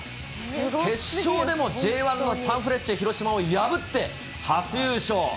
決勝でもＪ１のサンフレッチェ広島を破って初優勝。